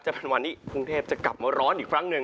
จะเป็นวันที่กรุงเทพจะกลับมาร้อนอีกครั้งหนึ่ง